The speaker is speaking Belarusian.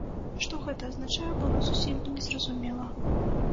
Што гэта азначае, было зусім незразумела.